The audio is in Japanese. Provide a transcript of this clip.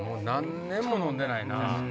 何年も飲んでないな。